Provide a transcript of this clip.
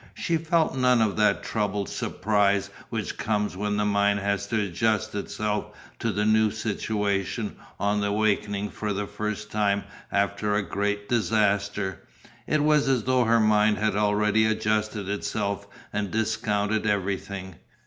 She felt none of that troubled surprise which comes when the mind has to adjust itself to the new situation on awakening for the first time after a great disaster. It was as though her mind had already adjusted itself and discounted everything.